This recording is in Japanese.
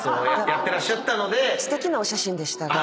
すてきなお写真でしたが。